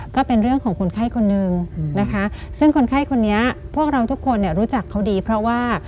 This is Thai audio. ก็เป็นเรื่องของคนไข้คนนึงนะคะซึ่งคนไข้คนนี้พวกเราทุกคนเนี่ยรู้จักเขาดีเพราะว่า